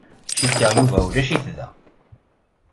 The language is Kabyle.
Cikkeɣ Yuba ulac-it da.